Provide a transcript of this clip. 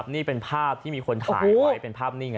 นี่เป็นภาพที่มีคนถ่ายไว้เป็นภาพนิ่ง